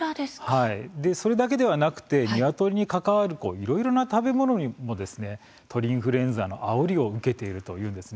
それだけではなくてニワトリに関わるいろいろな食べ物も鳥インフルエンザのあおりを受けているんです。